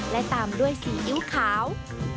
และตามด้วยซีอิ๊วขาว